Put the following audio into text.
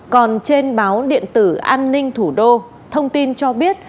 còn trên báo điện tử an ninh thủ đô thông tin cho biết